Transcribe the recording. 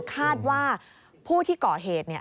คาดว่าผู้ที่ก่อเหตุ